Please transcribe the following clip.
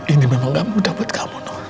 ini memang gak mudah buat kamu